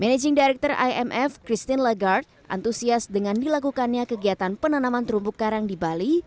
managing director imf christine lagarde antusias dengan dilakukannya kegiatan penanaman terumbu karang di bali